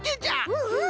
うんうん！